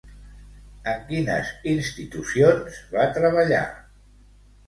En quines institucions va treballar?